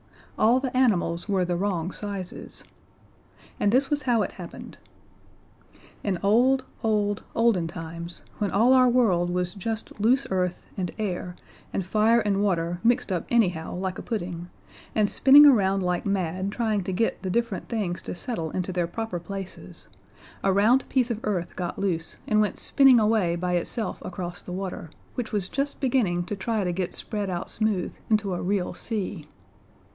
All the animals were the wrong sizes! And this was how it happened. In old, old, olden times, when all our world was just loose earth and air and fire and water mixed up anyhow like a pudding, and spinning around like mad trying to get the different things to settle into their proper places, a round piece of earth got loose and went spinning away by itself across the water, which was just beginning to try to get spread out smooth into a real sea.